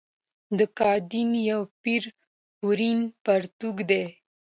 ګډین یو پېړ وړین پرتوګ دی.